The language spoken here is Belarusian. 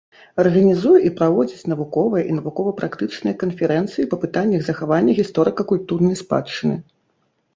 Арганізуе і праводзіць навуковыя і навукова-практычныя канферэнцыі па пытаннях захавання гісторыка-культурнай спадчыны.